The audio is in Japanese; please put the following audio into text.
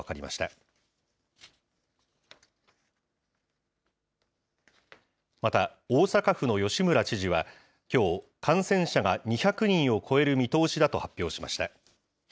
また、大阪府の吉村知事はきょう、感染者が２００人を超える見通しだと発表しました。